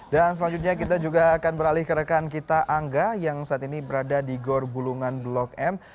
dan selanjutnya kita juga akan beralih ke rekan kita angga yang saat ini berada di gorbulungan blok m